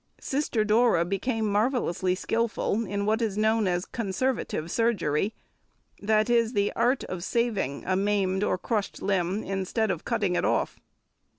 Sister Dora became marvellously skilful in what is known as "conservative surgery," that is, the art of saving a maimed and crushed limb instead of cutting it off.